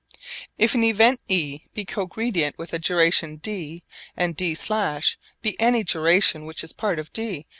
If an event e be cogredient with a duration d, and d′ be any duration which is part of d.